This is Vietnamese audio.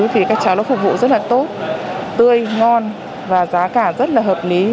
thì các cháu nó phục vụ rất là tốt tươi ngon và giá cả rất là hợp lý